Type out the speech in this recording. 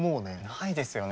ないですよね。